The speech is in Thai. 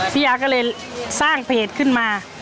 พี่อาก็เลยสร้างเพจขึ้นมา